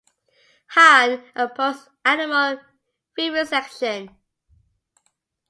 Hahn opposed animal vivisection.